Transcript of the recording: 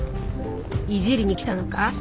イジりに来たのか？